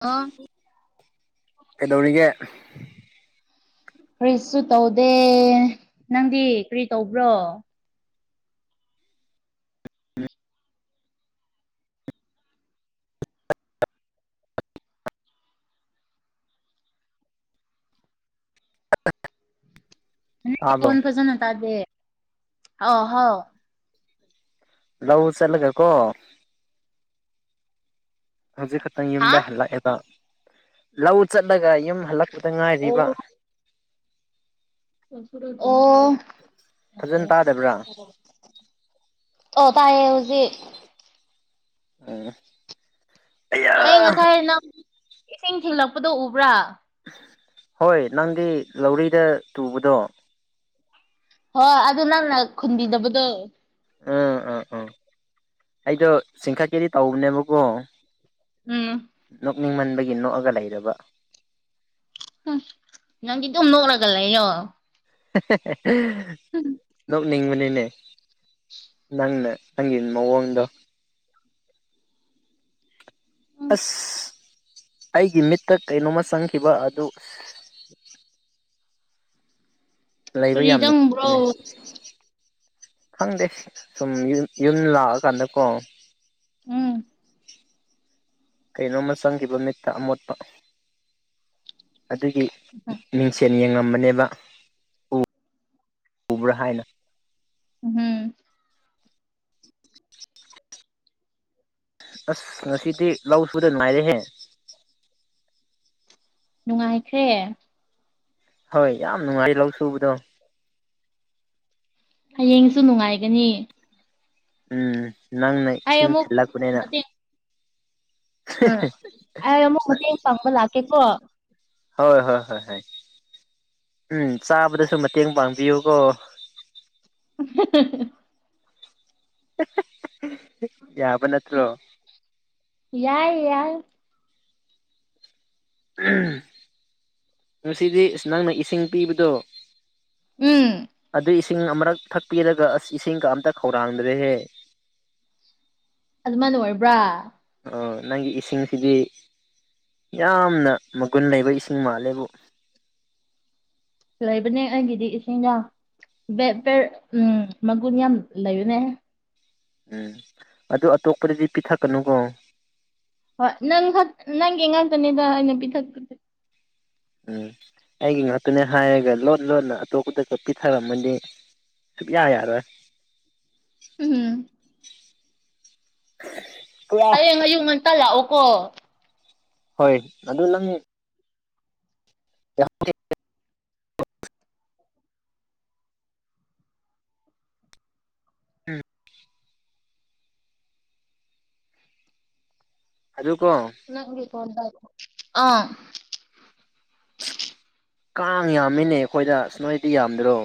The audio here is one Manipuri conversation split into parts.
ꯑ ꯀꯩꯗꯧ ꯔꯤꯒꯦ ꯀꯔꯤꯁꯨ ꯇꯧꯗꯦ ꯅꯪꯗꯤ ꯀꯔꯤ ꯇꯧꯕ꯭ꯔꯣ ꯅꯪꯒꯤ ꯇꯥꯕ꯭ꯔꯣ ꯐꯣꯟ ꯐꯖꯟ ꯇꯗꯦ ꯑꯧ ꯍꯥꯎ ꯂꯧ ꯆꯠꯂꯒꯀꯣ ꯍꯧꯖꯤꯛ ꯈꯛꯇꯪ ꯍꯥ ꯌꯨꯝꯗ ꯍꯜꯂꯛꯑꯦꯕ ꯂꯧ ꯆꯠꯂꯒ ꯌꯨꯝ ꯍꯜꯂꯛꯄꯗ ꯉꯥꯏꯔꯤꯕ ꯑꯣ ꯑꯣ ꯐꯖꯅ ꯇꯥꯗꯕ꯭ꯔꯥ ꯑꯣ ꯇꯌꯦ ꯍꯨꯖꯤꯛ ꯑ ꯑꯩ ꯉꯁꯥꯏ ꯅꯪ ꯏꯁꯤꯡ ꯊꯤꯜꯂꯛꯄꯗꯨ ꯎꯕ꯭ꯔꯥ ꯍꯣꯏ ꯅꯪꯗꯤ ꯂꯧꯔꯤꯗ ꯇꯨꯕꯗꯣ ꯍꯣꯏ ꯑꯗꯨ ꯅꯪꯅ ꯈꯨꯟꯕꯤꯗꯕꯗꯣ ꯎꯝ ꯎꯝ ꯎꯝ ꯑꯩꯗꯣ ꯆꯤꯡꯈꯠꯀꯦꯗꯤ ꯇꯧꯕꯅꯦꯕꯀꯣ ꯎꯝ ꯅꯣꯛꯅꯤꯡꯃꯟꯕꯒꯤ ꯅꯣꯛꯑꯒ ꯂꯩꯔꯕ ꯍꯨꯝ ꯅꯪꯒꯤ ꯑꯗꯨꯝ ꯅꯣꯛꯂꯒ ꯂꯩꯌꯣ ꯅꯣꯛꯅꯤꯡꯕꯅꯤ ꯅꯦ ꯅꯪꯅ ꯅꯪꯒꯤ ꯃꯑꯣꯡꯗꯣ [unintelligible] ꯑꯁ ꯑꯩꯒꯤ ꯃꯤꯠꯇ ꯀꯩꯅꯣꯝꯃ ꯆꯪꯈꯤꯕ ꯑꯗꯨ [unintelligible] ꯂꯩꯕ ꯀꯔꯤ ꯌꯥꯝ ꯅꯨꯡ ꯆꯪꯕ꯭ꯔꯣ [unintelligible] ꯅꯦ ꯈꯪꯗꯦ ꯁꯨꯝ ꯌꯨ ꯌꯨꯝ ꯂꯥꯛꯑꯀꯥꯟꯗꯀꯣ ꯎꯝ ꯀꯩꯅꯣꯝꯃ ꯆꯪꯈꯤꯕ ꯃꯤꯠꯇ ꯑꯃꯣꯠꯄ ꯑꯗꯨꯒꯤ ꯃꯤꯡꯁꯦꯠ ꯌꯦꯡꯉꯝꯕꯅꯦꯕ ꯎ ꯎꯕ꯭ꯔꯥ ꯍꯥꯏꯅ ꯎꯝ ꯑꯁ ꯉꯁꯤꯗꯤ ꯂꯧ ꯁꯨꯗ ꯅꯨꯉꯥꯏꯔꯦꯍꯦ ꯅꯨꯡꯉꯥꯏꯈ꯭ꯔꯦ ꯍꯣꯏ ꯌꯥꯝ ꯅꯨꯡꯉꯥꯏ [unintelligible] ꯂꯧ ꯁꯨꯕꯗꯣ ꯍꯌꯦꯡꯁꯨ ꯅꯨꯡꯉꯥꯏꯒꯅꯤ ꯎꯝ ꯅꯪꯅ ꯑꯩ ꯏꯁꯤꯡ ꯑꯃꯨꯛ ꯊꯤꯜꯂꯛꯄꯅꯦꯅ ꯑꯝ ꯑꯩ ꯑꯃꯨꯛ ꯃꯇꯦꯡ ꯄꯥꯡꯕ ꯂꯥꯛꯀꯦꯀꯣ ꯍꯣꯏ ꯍꯣꯏ ꯍꯣꯏ ꯍꯣꯏ ꯎꯝ ꯆꯥꯕꯗꯁꯨ ꯃꯇꯦꯡ ꯄꯥꯡꯕꯤꯌꯨꯀꯣ [unintelligible] [unintelligible] ꯅꯠꯇ꯭ꯔꯣ ꯌꯥꯏ ꯌꯥꯏ ꯉꯁꯤꯗꯤ ꯅꯪꯅ ꯏꯁ ꯏꯁꯤꯡ ꯄꯤꯕꯗꯣ ꯎꯝ ꯁꯤꯡ ꯑꯃꯔꯛ ꯊꯛꯄꯤꯔꯒ ꯑꯁ ꯏꯁꯤꯡꯒ ꯑꯝꯇ ꯈꯧꯔꯥꯡꯖꯔꯦꯍꯦ ꯑꯗꯨꯃꯥꯏꯅ ꯑꯣꯏꯔꯕ꯭ꯔꯥ ꯑ ꯅꯪꯒꯤ ꯏꯁꯤꯡꯁꯤꯗꯤ ꯌꯥꯝꯅ ꯃꯒꯨꯟ ꯂꯩꯕ ꯏꯁꯤꯡ ꯃꯥꯜꯂꯦꯕꯨ [unintelligible] ꯂꯩꯕꯅꯦ ꯑꯩꯒꯤꯗꯤ ꯏꯁꯤꯡꯗꯣ ꯕꯦꯄꯔ ꯎꯝ ꯃꯒꯨꯟ ꯌꯥꯝ ꯂꯩꯕꯅꯦ ꯎꯝ ꯑꯗꯨ ꯑꯇꯣꯞꯄꯗꯗꯤ ꯄꯤꯊꯛꯀꯅꯨꯀꯣ ꯍꯣꯏ ꯅꯪ ꯈꯥꯛ ꯅꯪꯒꯤ ꯉꯥꯛꯇꯅꯤꯗ ꯑꯩꯅ ꯄꯤꯊꯛꯄꯗꯤ ꯎꯝ ꯑꯩꯒꯤ ꯉꯥꯛꯇꯅꯦ ꯍꯥꯏꯔꯒ ꯂꯣꯠ ꯂꯣꯟꯅ ꯑꯇꯣꯞꯄꯗꯒ ꯄꯤꯊꯔꯝꯃꯗꯥ ꯁꯨꯡꯌꯥ ꯌꯥꯔꯣꯏ ꯎꯝ [unintelligible] ꯍꯌꯦꯡ ꯑꯌꯨꯛ ꯉꯟꯇꯥ ꯂꯥꯛꯑꯣꯀꯣ ꯍꯣꯏ ꯑꯗꯨ ꯅꯪ [unintelligible] ꯎꯝ ꯑꯗꯨꯀꯣ [unintelligible] ꯀꯥꯡ ꯌꯥꯝꯃꯤꯅꯦ ꯑꯩꯈꯣꯏꯗ ꯅꯣꯏꯗꯤ ꯌꯥꯝꯗ꯭ꯔꯣ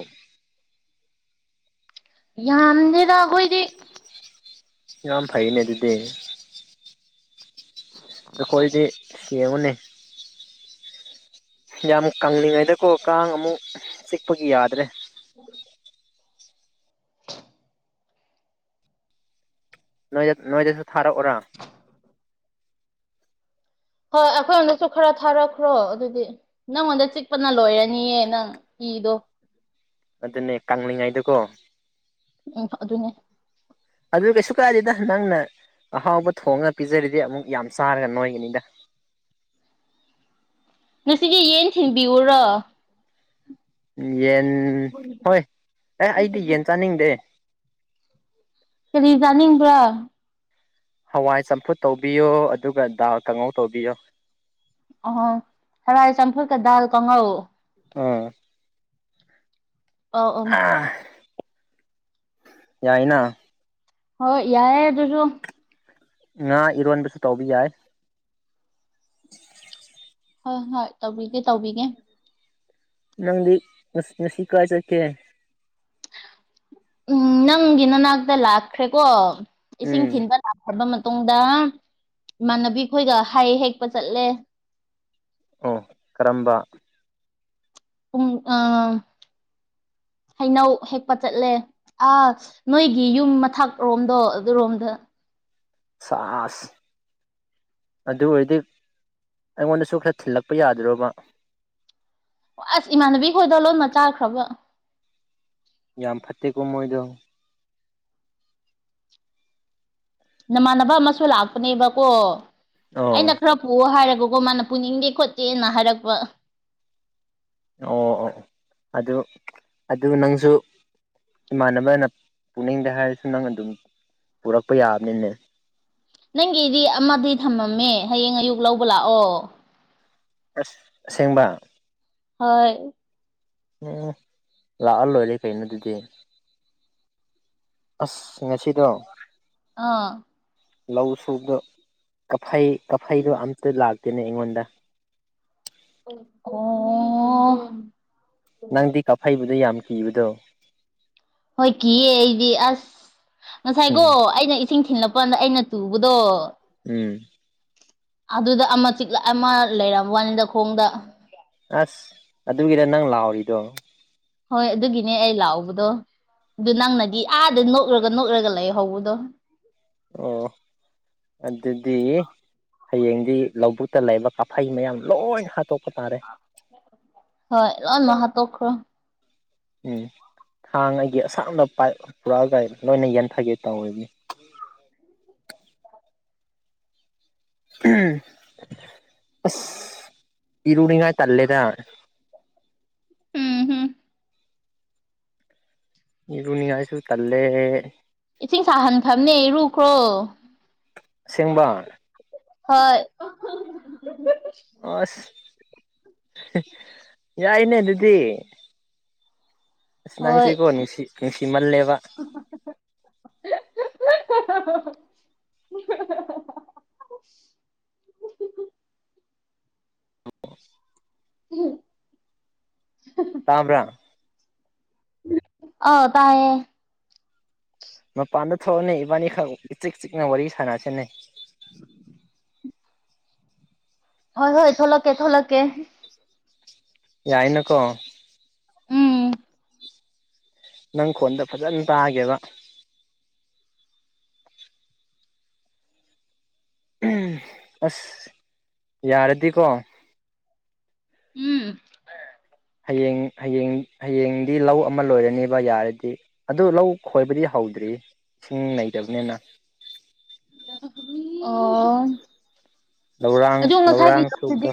ꯌꯥꯝꯗꯦꯗ ꯑꯩꯈꯣꯏꯗꯤ ꯌꯥꯝ ꯐꯩꯅꯦ ꯑꯗꯨꯗꯤ ꯑꯩꯈꯣꯏꯗꯤ ꯁꯦꯝꯕꯨꯅꯤ ꯌꯥꯝ ꯀꯂꯤꯉꯩꯗꯀꯣ ꯀꯥꯡ ꯑꯃꯨꯛ ꯆꯤꯛꯄꯒꯤ ꯌꯥꯗ꯭ꯔꯦ ꯅꯣꯏ ꯅꯣꯏꯗꯁꯨ ꯊꯥꯔꯛꯑꯣꯔꯥ ꯍꯣꯏ ꯑꯩꯈꯣꯏꯉꯣꯟꯝꯗꯁꯨ ꯈꯔ ꯊꯥꯔꯛꯈ꯭ꯔꯣ ꯑꯗꯨꯗꯤ ꯅꯪꯉꯣꯟꯗ ꯆꯤꯛꯄꯅ ꯂꯣꯏꯔꯅꯤꯌꯦ ꯅꯪ ꯏꯗꯣ ꯑꯗꯨꯅꯦ ꯀꯂꯤꯉꯥꯏꯗꯀꯣ ꯎꯝ ꯑꯗꯨꯅꯦ ꯑꯗꯨ ꯀꯩꯁꯨ ꯀꯗꯤꯗ ꯅꯪꯅ ꯑꯍꯥꯎꯕ ꯊꯣꯡꯉ ꯄꯤꯖꯔꯤꯗꯤ ꯑꯃꯨꯛ ꯌꯥꯝ ꯆꯥꯔꯒ ꯅꯣꯏꯒꯅꯤꯗ ꯉꯁꯤꯒꯤ ꯌꯦꯟ ꯊꯤꯟꯕꯤꯎꯔ ꯌꯦꯟ ꯍꯣꯏ ꯑꯦ ꯑꯩꯗꯤ ꯌꯦꯟ ꯆꯥꯅꯤꯡꯗꯦ ꯀꯔꯤ ꯆꯥꯅꯤꯡꯕ꯭ꯔꯥ ꯍꯋꯥꯏ ꯆꯝꯐꯨꯠ ꯇꯧꯕꯤꯌꯣ ꯑꯗꯨꯒ ꯗꯥ ꯀꯥꯡꯉꯧ ꯇꯧꯕꯤꯌꯣ ꯑ ꯍꯔꯥꯏ ꯆꯝꯐꯨꯜꯀ ꯗꯜ ꯀꯉꯧ ꯑꯥ ꯑ ꯑ ꯌꯥꯏꯅ ꯍꯣꯏ ꯌꯥꯔꯦ ꯑꯗꯨꯁꯨ ꯉꯥ ꯏꯔꯣꯟꯟꯕꯁꯨ ꯇꯧꯕꯧꯕ ꯌꯥꯏ ꯍꯣꯏ ꯍꯣꯏ ꯇꯧꯕꯤꯒꯦ ꯇꯧꯕꯤꯒꯦ ꯅꯪꯗꯤ ꯅꯨꯡꯁꯤ ꯀꯥꯏ ꯆꯠꯀꯦ ꯎꯝ ꯅꯪꯒꯤ ꯅꯅꯥꯛꯇ ꯂꯥꯛꯈ꯭ꯔꯦꯀꯣ ꯏꯁꯤꯡ ꯎꯝ ꯊꯤꯟꯕ ꯂꯥꯛꯕ ꯇꯨꯡꯗ ꯏꯃꯥꯟꯅꯕꯤ ꯈꯈꯣꯏꯒ ꯍꯥꯏ ꯍꯦꯛꯄ ꯆꯠꯂꯦ ꯑꯣ ꯀꯔꯝꯕ [unintelligible] ꯍꯩꯅꯧ ꯍꯦꯛꯄ ꯆꯠꯂꯦ ꯑꯥ ꯅꯣꯏꯒꯤ ꯌꯨꯝ ꯃꯊꯛ ꯔꯣꯝꯗꯣ ꯑꯗꯨꯔꯣꯝꯗ ꯁꯥꯥꯁ ꯑꯗꯨ ꯑꯣꯏꯔꯗꯤ ꯑꯩꯉꯣꯟꯗꯁꯨ ꯈꯔ ꯊꯤꯜꯂꯛꯄ ꯌꯥꯗ꯭ꯔꯕ ꯑꯁ ꯏꯃꯥꯟꯅꯕꯤ ꯈꯣꯏꯗ ꯂꯣꯟꯅ ꯆꯥꯈ꯭ꯔꯕ ꯌꯥꯝꯝ ꯐꯥꯠꯇꯦ ꯀꯃꯣꯏꯗ ꯅꯃꯥꯟꯅꯕ ꯑꯃꯁꯨ ꯂꯥꯛꯄꯅꯦꯕꯀꯣ ꯑꯣ ꯑꯩꯅ ꯈꯔ ꯄꯨꯑꯣ ꯍꯥꯏꯔꯒ ꯃꯥꯅ ꯄꯨꯅꯤꯡꯗꯦ ꯈꯣꯠꯇꯦꯅ ꯍꯥꯏꯔꯛꯄ ꯑꯣ ꯑꯣ ꯑꯗꯨ ꯑꯗꯨ ꯅꯪꯁꯨ ꯏꯃꯥꯟꯅꯕꯅ ꯄꯨꯅꯤꯡꯗꯦ ꯍꯥꯏꯔꯁꯨ ꯅꯪ ꯑꯗꯨꯝ ꯄꯨꯔꯛꯄ ꯌꯥꯕꯅꯤꯅꯦ ꯅꯪꯒꯤꯗꯤ ꯑꯃꯗꯤ ꯊꯝꯃꯝꯃꯦ ꯍꯌꯦꯡ ꯑꯌꯨꯛ ꯂꯧꯕ ꯂꯥꯛꯑꯣ ꯑꯁ ꯑꯁꯦꯡꯕ ꯍꯣꯏ ꯎꯝ ꯂꯥꯛꯑ ꯂꯣꯏꯔꯦ ꯀꯩꯅꯣ ꯑꯗꯨꯗꯤ ꯑꯁ ꯉꯁꯤꯗꯣ ꯑ꯫ ꯂꯧ ꯁꯨꯕ ꯀꯐꯩ ꯀꯐꯩꯗꯣ ꯑꯝꯇ ꯂꯥꯛ ꯇꯦꯅꯦ ꯑꯩꯉꯣꯟꯗ꯫ ꯑꯣ꯫ ꯅꯪꯗꯤ ꯀꯥꯛꯐꯩꯕꯨꯗꯤ ꯌꯥꯝ ꯀꯤꯕꯗꯣ꯫ ꯍꯣꯏ ꯀꯤꯌꯦ ꯑꯩꯗꯤ ꯑꯁ ꯉꯁꯥꯏꯀꯣ ꯎꯝ ꯑꯩꯅ ꯏꯁꯤꯡ ꯊꯤꯟꯂꯛ [unintelligible] ꯑꯩꯅ ꯇꯨꯕꯗꯣ꯫ ꯎꯝ꯫ ꯑꯗꯨꯗ ꯑꯃꯥ ꯆꯤꯛꯂ ꯑꯃ ꯂꯩꯔꯝꯕ ꯋꯥꯅꯤꯗ ꯈꯣꯡꯗ꯫ ꯑꯁ ꯑꯗꯨꯒꯤꯔ ꯅꯪ ꯂꯥꯎꯔꯤꯗꯣ꯫ ꯍꯣꯏ ꯑꯗꯨꯒꯤꯅꯦ ꯑꯩ ꯂꯥꯎꯕꯗꯣ꯫ ꯑꯗꯨ ꯅꯪꯅꯗꯤ ꯑꯥꯗ ꯅꯣꯛꯂꯒ ꯅꯣꯛꯂꯒ ꯂꯩꯍꯧꯕꯗꯣ꯫ ꯑꯣ꯫ ꯑꯗꯨꯗꯤ ꯍꯌꯦꯡꯗꯤ ꯂꯧꯕꯨꯛꯇ ꯂꯩꯕ ꯀꯥꯐꯩ ꯃꯌꯥꯝ ꯂꯣꯏ ꯍꯥꯠꯇꯣꯛ ꯍꯣꯏ ꯂꯣꯏꯃꯛ ꯍꯥꯠꯇꯣꯛꯈ꯭ꯔꯣ꯫ ꯎꯝ ꯊꯥꯡ ꯑꯩꯒꯤ ꯑꯁꯥꯡꯅ ꯄꯥꯏꯞ ꯄꯨꯔꯛꯑꯒ ꯂꯣꯏꯅ ꯌꯥꯟꯊꯒꯦ ꯇꯧꯔꯤꯝꯅꯤ꯫ [unintelligible] [unintelligible] ꯑꯁ꯫ ꯏꯔꯨꯅꯤꯉꯥꯏ ꯇꯜꯂꯦꯗ꯫ ꯎꯝ ꯍꯨꯝ ꯏꯔꯨꯅꯤꯉꯥꯏꯁꯨ ꯇꯜꯂꯦ꯫ ꯏꯁꯤꯡ ꯁꯥꯍꯟꯈ꯭ꯔꯝꯅꯦ ꯏꯔꯨꯈ꯭ꯔꯣ꯫ ꯑꯁꯦꯡꯕ꯫ ꯍꯣꯏ [unintelligible] ꯑꯁ ꯌꯥꯏꯅꯦ ꯑꯗꯨꯗꯤ꯫ ꯑꯁ ꯍꯣꯏ ꯅꯪꯁꯤꯀꯣ ꯅꯨꯡꯁꯤ ꯅꯨꯡꯁꯤꯃꯜꯂꯦꯕ꯫ [unintelligible] [unintelligible] [unintelligible] [unintelligible] ꯇꯥꯕ꯭ꯔꯥ꯫ ꯑ ꯇꯥꯏꯌꯦ꯫ ꯃꯄꯥꯟꯗ ꯊꯣꯛꯑꯣꯅꯦ ꯏꯕꯥꯅꯤꯈꯛ ꯏꯆꯤꯛ ꯆꯤꯛꯅ ꯋꯥꯔꯤ ꯁꯥꯟꯅꯁꯤꯅꯦ꯫ ꯍꯣꯏ ꯍꯣꯏ ꯊꯣꯛꯂꯛꯀꯦ ꯊꯣꯛꯂꯛꯀꯦ꯫ ꯌꯥꯏꯅ ꯀꯣ꯫ ꯎꯝ ꯅꯪ ꯈꯣꯟꯗꯣ ꯐꯖꯅ ꯇꯥꯒꯦꯕ꯫ ꯑꯁ ꯌꯥꯔꯗꯤꯀꯣ꯫ ꯎꯝ꯫ ꯍꯌꯦꯡ ꯍꯌꯦꯡ ꯍꯌꯦꯡꯗꯤ ꯂꯧ ꯑꯃ ꯂꯣꯏꯔꯅꯦꯕ ꯌꯥꯔꯗꯤ ꯑꯗꯨ ꯂꯧ ꯈꯣꯏꯕꯗꯤ ꯍꯧꯗ꯭ꯔꯤ꯫ ꯏꯁꯤꯡ ꯂꯩꯇꯕꯅꯤꯅ꯫ [unintelligible] ꯑꯣ꯫ ꯂꯧꯔꯥꯡ ꯑꯗꯣ ꯉꯁꯥꯏꯒꯤ ꯂꯧꯔꯥꯡ ꯂꯧꯗꯨꯗꯤ꯫ ꯁꯨꯕꯗꯣ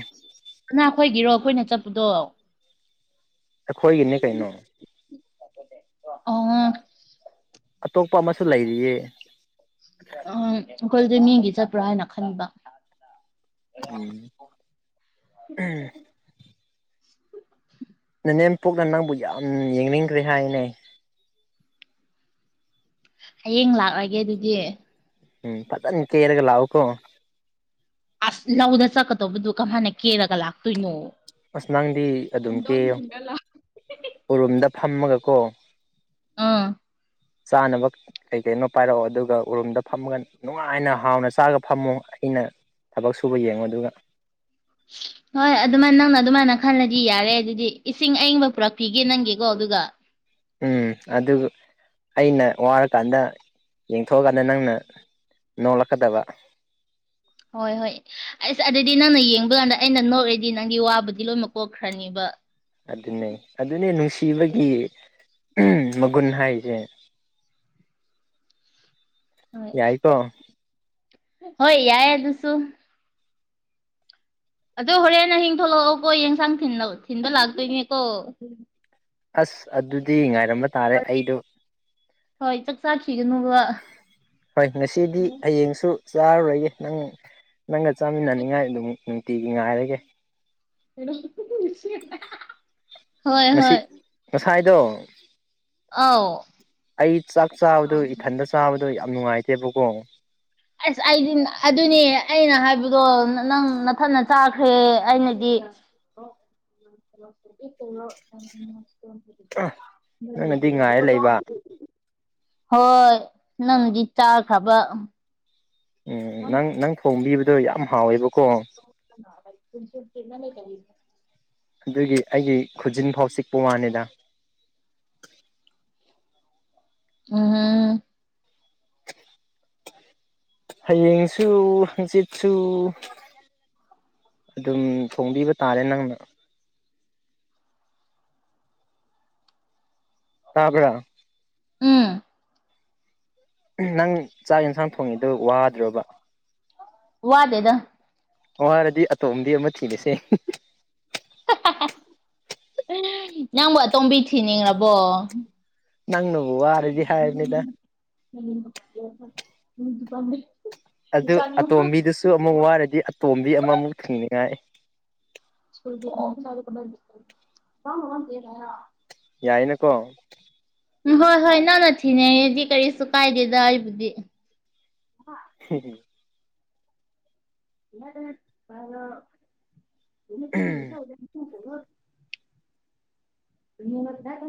ꯀꯅꯥꯈꯣꯏꯒꯤꯔꯣ ꯑꯩꯈꯣꯏꯅ ꯆꯠꯄꯗꯣ꯫ ꯑꯩꯈꯣꯏꯒꯤꯅꯦ ꯀꯩꯅꯣ꯫ ꯑ ꯑꯇꯣꯞꯄ ꯑꯃꯁꯨ ꯂꯩꯔꯤꯌꯦ꯫ ꯎꯝ ꯑꯩꯈꯣꯏꯗ ꯃꯤꯒꯤ ꯆꯠꯄ꯭ꯔꯥ ꯍꯥꯏꯅ ꯈꯟꯕ꯫ ꯎꯝ [unintelligible] ꯏꯅꯦꯝꯄꯣꯛꯅ ꯅꯪꯕꯨ ꯌꯥꯝ ꯌꯦꯡꯅꯤꯡꯈ꯭ꯔꯦ ꯍꯥꯏꯅꯦ꯫ ꯍꯌꯦꯡ ꯂꯥꯛꯂꯒꯦ ꯑꯗꯨꯗꯤ꯫ ꯎꯝ ꯐꯖꯟꯅ ꯀꯦꯔꯒ ꯂꯥꯛꯎꯀꯣ꯫ ꯑꯁ ꯂꯧꯗ ꯆꯠꯀꯗꯧꯕꯗꯨ ꯀꯃꯥꯏꯅ ꯀꯦꯔꯒ ꯂꯥꯛꯇꯣꯏꯅꯣ ꯑꯁ ꯅꯪꯗꯤ ꯑꯗꯨꯝ ꯀꯦ ꯎꯔꯨꯝꯗ ꯐꯝꯃꯒ ꯀꯣ ꯑꯥ ꯆꯥꯅꯕ ꯀꯩ ꯀꯩꯅꯣ ꯄꯥꯏꯔꯛꯑꯣ ꯑꯗꯨꯒ ꯎꯔꯨꯝꯗ ꯐꯝꯃꯒ ꯅꯨꯡꯉꯥꯏꯅ ꯍꯥꯎꯅ ꯆꯥꯔꯒ ꯐꯝꯃꯣ ꯑꯩꯅ ꯊꯕꯛ ꯁꯨꯕ ꯌꯦꯡꯉꯨ ꯑꯗꯨꯒ ꯍꯣꯏ ꯑꯗꯨꯃꯥꯏꯅ ꯅꯪꯅ ꯑꯗꯨꯃꯥꯏꯅ ꯈꯜꯂꯗꯤ ꯌꯥꯔꯦ ꯑꯗꯨꯗꯤ ꯏꯁꯤꯡ ꯑꯏꯤꯡꯕ ꯄꯨꯔꯛꯄꯤꯒꯦ ꯅꯪꯒꯤꯀꯣ ꯑꯗꯨꯒ ꯎꯝ ꯑꯗꯨ ꯑꯩꯅ ꯋꯥꯔꯀꯥꯟꯗ ꯌꯦꯡꯊꯣꯛꯑꯀꯥꯟꯗ ꯅꯪꯅ ꯅꯣꯛꯂꯛꯀꯗꯕ ꯍꯣꯏ ꯍꯣꯏ ꯑꯁ ꯑꯗꯨꯗꯤ ꯅꯪꯅ ꯌꯦꯡꯕ ꯀꯥꯟꯗ ꯑꯩꯅ ꯅꯣꯛꯔꯗꯤ ꯅꯪꯒꯤ ꯋꯥꯕꯨꯗꯤ ꯂꯣꯏꯅꯃꯛ ꯀꯣꯛꯈ꯭ꯔꯅꯦꯕ ꯑꯗꯨꯅꯦ ꯑꯗꯨꯅꯦ ꯅꯨꯡꯁꯤꯕꯒꯤ ꯃꯒꯨꯟ ꯍꯥꯏꯁꯦ ꯍꯣꯏ ꯌꯥꯏꯀꯣ ꯍꯣꯏ ꯌꯥꯏ ꯑꯗꯨꯁꯨ ꯑꯗꯣ ꯍꯣꯔꯦꯟꯍꯤꯡ ꯊꯣꯛꯂꯛꯑꯣꯀꯣ ꯌꯦꯟꯁꯥꯡ ꯊ ꯊꯤꯟꯕ ꯂꯥꯛꯇꯣꯏꯅꯦꯀꯣ ꯑꯁ ꯑꯗꯨꯗꯤ ꯉꯥꯏꯔꯝꯕ ꯇꯥꯔꯦ ꯑꯩꯗꯣ ꯍꯣꯏ ꯆꯥꯈꯤꯒꯅꯨꯕ ꯍꯣꯏ ꯉꯁꯤꯗꯤ ꯍꯌꯦꯡꯁꯨ ꯆꯥꯔꯨꯔꯒꯦ ꯅꯪ ꯅꯪꯒ ꯆꯥꯃꯤꯟꯅꯅꯤꯡꯉꯥꯏ ꯑꯗꯨꯝ ꯅꯨꯡꯇꯤꯒꯤ ꯉꯥꯏꯔꯒꯦ ꯍꯣꯏ ꯉꯁꯤ ꯍꯣꯏ ꯉꯁꯥꯏꯗꯣ ꯑꯧ ꯑꯩ ꯆꯥꯛ ꯆꯥꯕꯗꯣ ꯏꯊꯟꯗ ꯆꯥꯕꯗ ꯑꯗꯣ ꯌꯥꯝ ꯅꯨꯡꯉꯥꯏꯇꯦꯕꯀꯣ ꯑꯁ ꯑꯩꯗꯤ ꯑꯗꯨꯅꯦ ꯑꯩꯅ ꯍꯥꯏꯕꯗꯣ ꯅꯪ ꯃꯊꯅ ꯆꯥꯈ꯭ꯔꯦ ꯑꯩꯅꯗꯤ [unintelligible] ꯅꯪꯅꯗꯤ ꯉꯥꯏꯔ ꯂꯩꯕ ꯍꯣꯏ ꯅꯪꯗꯤ ꯆꯥꯈꯕ ꯎꯝ ꯅꯪ ꯅꯪ ꯊꯣꯡꯕꯤꯕꯗꯣ ꯌꯥꯝ ꯍꯥꯎꯋꯦꯕꯀꯣ [unintelligible] ꯑꯗꯨꯒꯤ ꯑꯩꯒꯤ ꯈꯨꯖꯤꯟ ꯐꯥꯎ ꯆꯤꯛꯄ ꯋꯥꯅꯤꯗ ꯎꯝ ꯍꯌꯦꯡꯁꯨ ꯍꯪꯆꯤꯠꯁꯨ ꯑꯗꯨꯝ ꯐꯣꯡꯕꯤꯕ ꯇꯥꯔꯦ ꯅꯪꯅ ꯇꯥꯕ꯭ꯔ ꯎꯝ ꯅꯪ ꯆꯥꯛ ꯌꯦꯟꯁꯥꯡ ꯊꯣꯡꯉꯤꯗꯨ ꯋꯥꯗ꯭ꯔꯕ ꯋꯥꯗꯦꯗ ꯋꯥꯔꯗꯤ ꯑꯇꯣꯝꯗꯤ ꯑꯃ ꯊꯤꯔꯁꯦ ꯌꯥꯝꯕ ꯇꯣꯝꯕꯤ ꯊꯤꯅꯤꯡꯉꯕꯣ [unintelligible] ꯅꯪꯅꯕꯨ ꯋꯥꯔꯗꯤ ꯍꯥꯏꯕꯅꯤꯗ ꯑꯗꯨ ꯑꯇꯣꯝꯕꯤꯗꯨꯁꯨ ꯑꯃꯨꯛ ꯋꯥꯔꯗꯤ ꯑꯇꯣꯝꯕꯤ ꯑꯃꯃꯨꯛ ꯊꯤꯡꯅꯤꯡꯉꯥꯏ [unintelligible] ꯌꯥꯏꯅꯀꯣ ꯎꯝ ꯍꯣꯏ ꯍꯣꯏ ꯅꯪꯟꯅ ꯊꯤꯅꯩꯗꯤ ꯀꯔꯤꯁꯨ ꯀꯥꯏꯗꯦꯗ ꯑꯩꯕꯨꯗꯤ ꯍꯝ [unintelligible] [unintelligible]